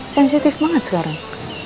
sensitif banget sekarang